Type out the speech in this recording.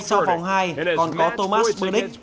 sau vòng hai còn có thomas burdick